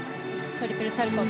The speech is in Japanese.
トリプルサルコウ。